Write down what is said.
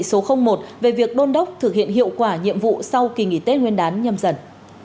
số một trăm linh một về việc đôn đốc thực hiện hiệu quả nhiệm vụ sau kỳ nghỉ tết nguyên đán nhầm dần